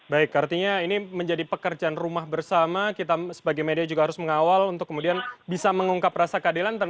baik artinya ini menjadi pekerjaan rumah bersama kita sebagai media juga harus mengawal untuk kemudian bisa mengungkap rasa keadilan